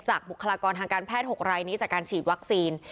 บุคลากรทางการแพทย์๖รายนี้จากการฉีดวัคซีน